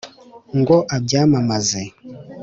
Ngo Abyamamaze